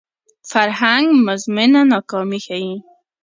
فرهنګ مزمنه ناکامي ښيي